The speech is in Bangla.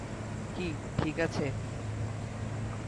কী, ঠিক আছে?